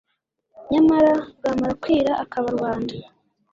nyamara bwamara kwira akaba rubanda